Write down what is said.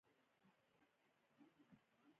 هغه څوک، چي له ژوند سره مینه لري، له ځان سره مینه لري.